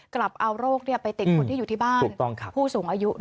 กลับเอาโรคไปติดคนที่อยู่ที่บ้านผู้สูงอายุ